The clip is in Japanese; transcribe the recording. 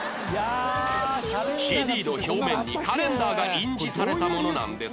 ＣＤ の表面にカレンダーが印字されたものなんですが